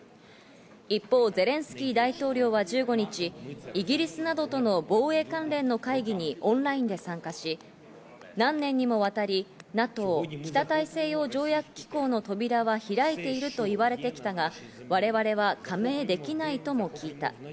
一方、ゼレンスキー大統領は１５日、イギリスなどとの防衛関連の会議にオンラインで参加し、何年にもわたりＮＡＴＯ＝北大西洋条約機構の扉は開いていると言われてきたが、我々は加盟できないとも聞いた。